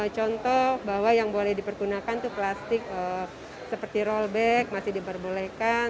contoh bahwa yang boleh dipergunakan itu plastik seperti rollbag masih diperbolehkan